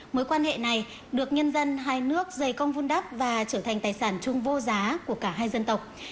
mối quan hệ này được nhân dân hai nước dày công vun đắp và trở thành tài sản chung vô giá của cả hai dân tộc